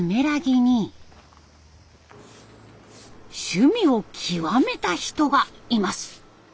趣味を極めた人がいます。